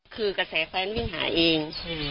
คือกระแสไฟมันวิ่งหาเอง